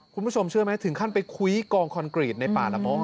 คุณผู้ชมเชื่อไหมถึงขั้นไปคุ้ยกองคอนกรีตในป่าละม้อ